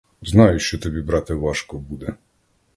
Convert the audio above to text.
Знаю, що тобі, брате, важко буде.